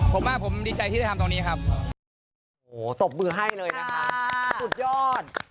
ผมว่าผมดีใจที่ได้ทำตรงนี้ครับโอ้โหตบมือให้เลยนะคะสุดยอด